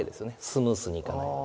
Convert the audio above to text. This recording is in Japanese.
スムーズにいかない。